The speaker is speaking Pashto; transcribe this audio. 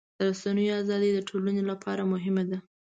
د رسنیو ازادي د ټولنې لپاره مهمه ده.